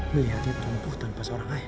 melihatnya tempuh tanpa seorang ayah